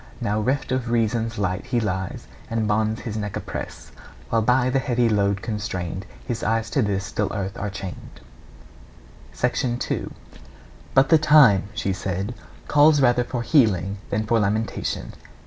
Now, reft of reason's light, he lies, And bonds his neck oppress; While by the heavy load constrained, His eyes to this dull earth are chained. II. 'But the time,' said she, 'calls rather for healing than for lamentation.'